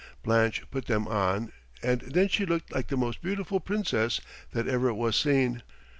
Blanche put them on, and then she looked like the most beautiful princess that ever was seen.